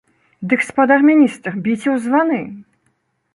Дык, спадар міністр, біце ў званы!